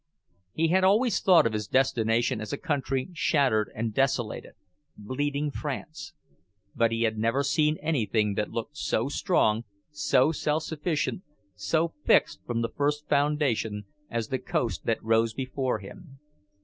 He had always thought of his destination as a country shattered and desolated, "bleeding France"; but he had never seen anything that looked so strong, so self sufficient, so fixed from the first foundation, as the coast that rose before him.